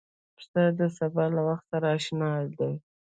پسه د سبا له وخت سره اشنا دی.